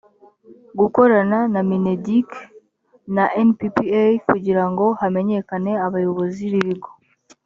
gukorana na mineduc na nppa kugira ngo hamenyekane abayobozi b ibigo